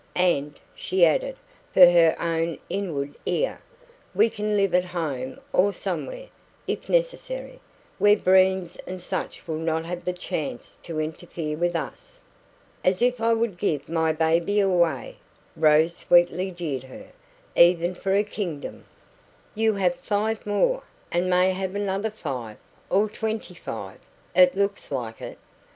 And," she added, for her own inward ear, "we can live at home or somewhere, if necessary, where Breens and such will not have the chance to interfere with us." "As if I would give my baby away," Rose sweetly jeered her "even for a kingdom!" "You have five more, and may have another five or twenty five. It looks like it."